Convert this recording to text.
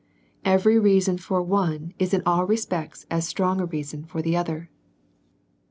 Every reason for one is in all respects as strong a reason for the other.